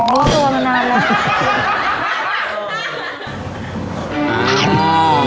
เบอร์เกอร์มานานเลย